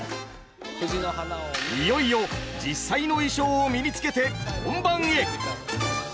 いよいよ実際の衣装を身に着けて本番へ。